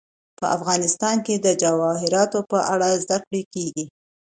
افغانستان کې د جواهرات په اړه زده کړه کېږي.